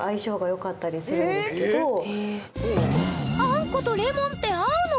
あんことレモンって合うの？